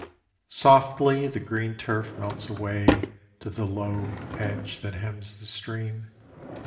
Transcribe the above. Softly the green turf melts away To the low edge that hems the stream.